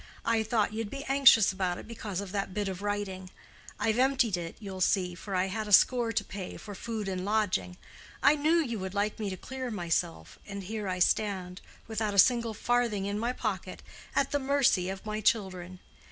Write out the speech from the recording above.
I thought you'd be anxious about it because of that bit of writing. I've emptied it, you'll see, for I had a score to pay for food and lodging. I knew you would like me to clear myself, and here I stand—without a single farthing in my pocket—at the mercy of my children.